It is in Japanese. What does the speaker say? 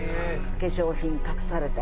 化粧品隠されたり。